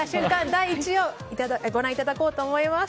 第１位をご覧いただこうと思います。